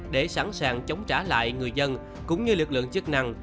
để sẵn sàng chống trả lại người dân cũng như lực lượng chức năng